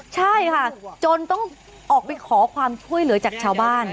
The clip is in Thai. ใช่ค่ะจนต้องออกไปขอความช่วยเหลือจากชาวบ้าน